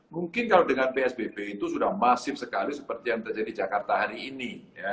mungkin kalau dengan psbb itu sudah masif sekali seperti yang terjadi jakarta hari ini